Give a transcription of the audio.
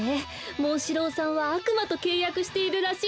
モンシローさんはあくまとけいやくしているらしいですから。